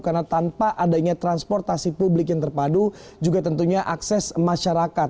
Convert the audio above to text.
karena tanpa adanya transportasi publik yang terpadu juga tentunya akses masyarakat